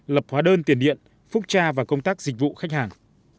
lập hóa đơn tiền điện phúc tra và công tác dịch vụ khách hàng